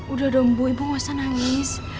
udah dong ibu gak usah nangis